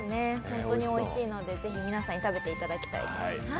本当においしいので、ぜひ皆さんに食べていただきたいです。